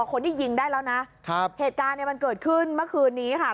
คนที่ยิงได้แล้วนะครับเหตุการณ์เนี่ยมันเกิดขึ้นเมื่อคืนนี้ค่ะ